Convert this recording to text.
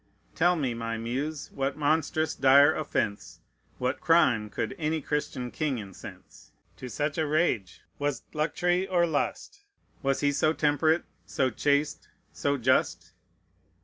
Tell me, my Muse, what monstrous, dire offence, What crime could any Christian king incense To such a rage? Was't luxury, or lust Was he so temperate, so chaste, so just?